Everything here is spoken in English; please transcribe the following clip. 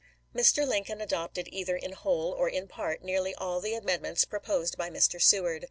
Mr. Lincoln adopted either in whole or in part nearly all the amendments proposed by Mr. Seward.